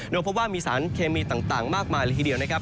โดยพบว่ามีสารเคมีต่างมากมายเลยทีเดียวนะครับ